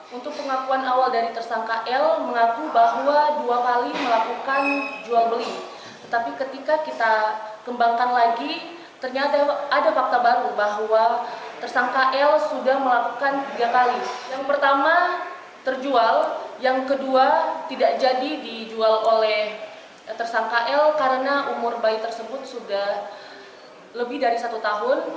yang kedua tidak jadi dijual oleh tersangka l karena umur bayi tersebut sudah lebih dari satu tahun